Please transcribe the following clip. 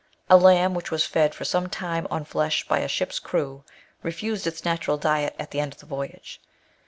A lamb which was fed for some time on flesh by a ship's crew, refused its natural diet at the end of .the voyage.